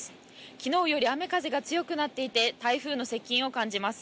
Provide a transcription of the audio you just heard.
昨日より雨風が強くなっていて台風の接近を感じます。